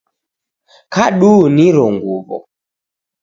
Kadu niro ng uw'o.